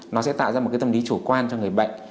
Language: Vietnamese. nó sẽ tạo ra một cái tâm lý chủ quan cho người bệnh